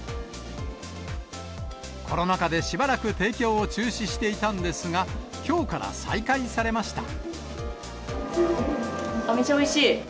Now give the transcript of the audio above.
コロナ禍でしばらく提供を中止していたんですが、きょうから再開めっちゃおいしい。